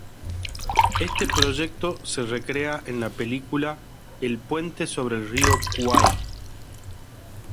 Este proyecto se recrea en la película "El puente sobre el río Kwai".